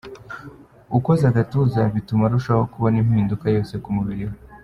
Ukoze agatuza bituma arushaho kubona impinduka yihuse ku mubiri we.